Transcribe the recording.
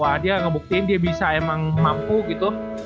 wah dia ngebuktiin dia bisa emang mampu gitu